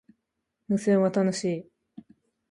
無線は、楽しい